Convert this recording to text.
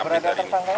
berada tersangka ini